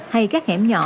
hay các hẻm nhỏ